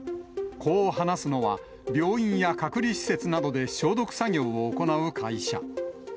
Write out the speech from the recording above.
こう話すのは、病院や隔離施設などで消毒作業を行う会社。